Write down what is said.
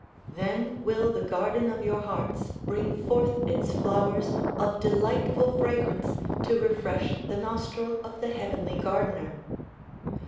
Then will the garden of your hearts bring forth its flowere of delightful fragrance to refresh the nostril of the heavenly gardener.